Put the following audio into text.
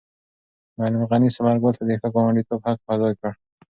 معلم غني ثمر ګل ته د ښه ګاونډیتوب حق په ځای کړ.